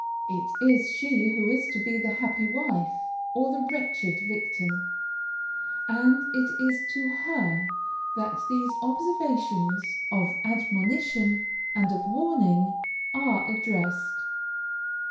It is she who is to be the happy wife, or the wretched victim; and it is to her that these observations of admonition and of warning are addressed.